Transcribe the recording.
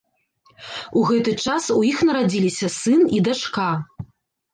У гэты час у іх нарадзіліся сын і дачка.